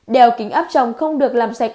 đèo kính áp trồng không được làm sạch